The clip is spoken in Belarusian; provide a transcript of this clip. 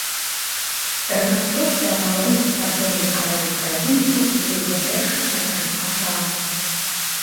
Рэканструкцыя галоўнай спартыўнай арэны краіны мусіць быць завершаная да канца траўня.